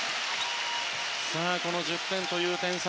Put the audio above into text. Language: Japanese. この１０点という点差